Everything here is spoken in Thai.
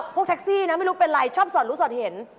พวกแท็กซี่นะไม่รู้เป็นไรชอบสอดรู้สอดเห็น